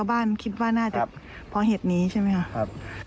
ขี่บ้านคิดว่าน่าจะคอล์เหตุนี้ใช่ไหมครับ